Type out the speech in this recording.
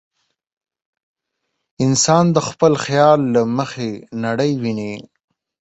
انسان د خپل خیال له مخې نړۍ ویني.